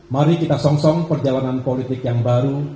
mari kita song song perjalanan politik yang baru